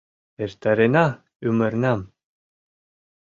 Эртарена ӱмырнам!